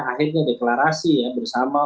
akhirnya deklarasi bersama